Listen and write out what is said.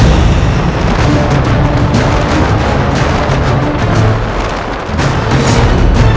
aku sudah berhenti